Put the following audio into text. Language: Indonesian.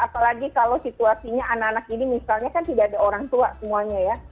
apalagi kalau situasinya anak anak ini misalnya kan tidak ada orang tua semuanya ya